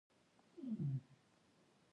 په ماښام د خپل خوریي کره مېلمه وم.